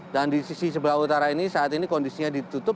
dan di sisi sebelah utara ini saat ini kondisinya ditutup